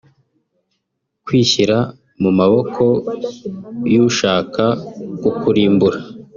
kwishyira mu maboko y’ushaka kukurimbura